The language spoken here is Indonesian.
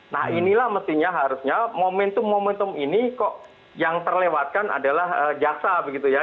nah inilah mestinya harusnya momentum momentum ini kok yang terlewatkan adalah jaksa begitu ya